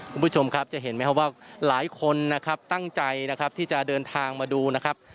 คุณผู้ชมครับจะเห็นไหมครับว่าหลายคนนะครับตั้งใจนะครับที่จะเดินทางมาดูนะครับ